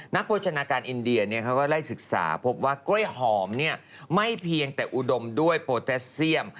โภชนาการอินเดียเขาก็ไล่ศึกษาพบว่ากล้วยหอมไม่เพียงแต่อุดมด้วยโปรแทสเซียม